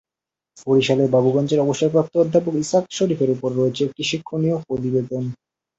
বরিশালের বাবুগঞ্জের অবসরপ্রাপ্ত অধ্যাপক ইসাহাক শরীফের ওপর রয়েছে একটি শিক্ষণীয় প্রতিবেদন।